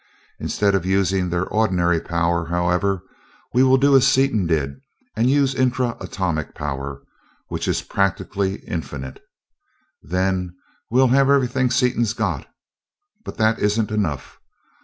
Instead of using their ordinary power, however, we will do as Seaton did, and use intra atomic power, which is practically infinite. Then we'll have everything Seaton's got, but that isn't enough.